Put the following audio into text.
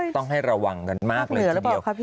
ต้องให้ระวังกันมากเลยทีเดียว